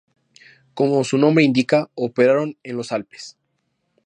Como su nombre indica, operaron en los Alpes.